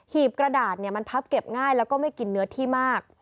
ีบกระดาษมันพับเก็บง่ายแล้วก็ไม่กินเนื้อที่มาก